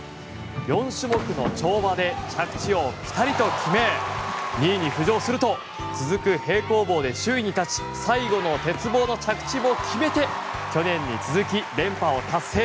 ４種目の跳馬で着地をピタリと決め２位に浮上すると続く平行棒で首位に立ち最後の鉄棒の着地を決めて去年に続き、連覇を達成。